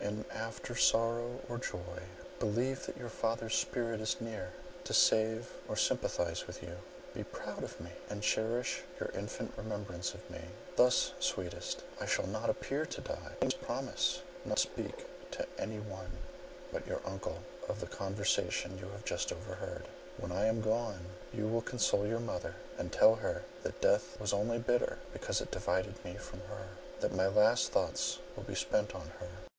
In after sorrow or joy, believe that you father's spirit is near, to save or sympathize with you. Be proud of me, and cherish your infant remembrance of me. Thus, sweetest, I shall not appear to die. One thing you must promise,—not to speak to any one but your uncle, of the conversation you have just overheard. When I am gone, you will console your mother, and tell her that death was only bitter because it divided me from her; that my last thoughts will be spent on her.